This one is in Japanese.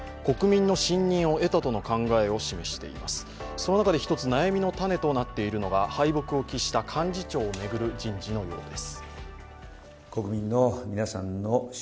その中で一つ悩みの種となっているのが敗北を喫した幹事長を巡る人事のようです。